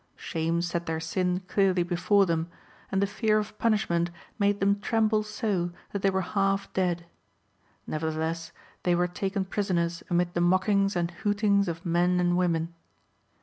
(2) Shame set their sin clearly before them, and the fear of punishment made them tremble so that they were half dead. Nevertheless, they were taken prisoners amid the mockings and hootings of men and women.